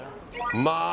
まあ。